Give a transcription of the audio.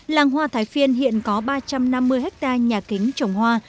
làng hoa thái phiên hiện có ba trăm năm mươi hectare nhà kính trồng hoa